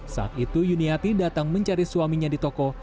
saat itu yuniati datang mencari suaminya di toko